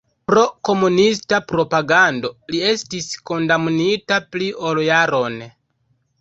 Pro komunista propagando li estis kondamnita pli ol jaron.